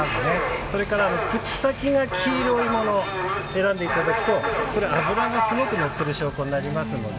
それから口先が黄色いものを選んでいただくと脂がすごくのってる証拠になりますので。